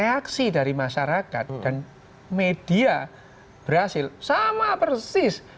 aksi dari masyarakat dan media brazil sama persis